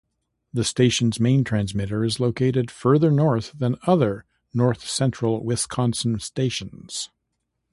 The station's main transmitter is located further north than other North-Central Wisconsin stations.